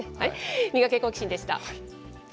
ミガケ、好奇心！でした。